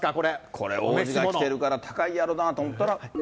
これ、王子が着てるから高いやろなと思ったら。